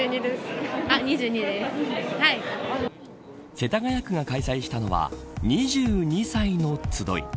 世田谷区が開催したのは２２歳のつどい。